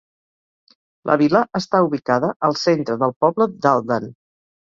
La vila està ubicada al centre del poble d'Alden.